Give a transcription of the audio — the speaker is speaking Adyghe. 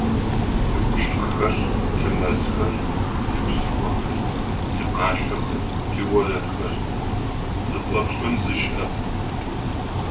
Тикъушъхьэхэр, тимэзхэр, типсыхъохэр, тикъашъохэр, тиорэдхэр - зыпэпшӏын зи щыӏэп.